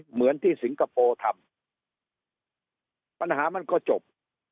เหมือนที่สิงคโปร์ทำปัญหามันก็จบ